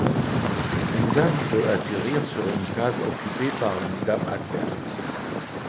Une dame peut atterrir sur une case occupée par une dame adverse.